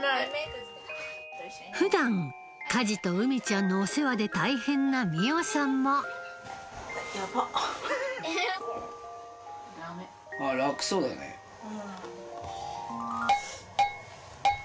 普段家事とうみちゃんのお世話で大変なみおさんもうん。